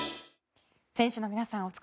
選手の皆さん